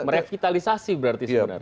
merevitalisasi berarti sebenarnya